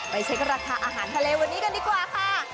เช็คราคาอาหารทะเลวันนี้กันดีกว่าค่ะ